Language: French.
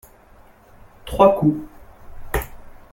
Trois coups.